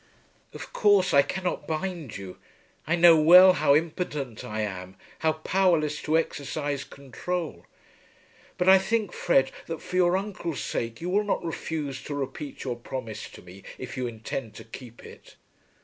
"Of course I cannot bind you. I know well how impotent I am, how powerless to exercise control. But I think, Fred, that for your uncle's sake you will not refuse to repeat your promise to me, if you intend to keep it.